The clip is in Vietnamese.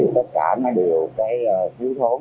tất cả nó đều thiếu thốn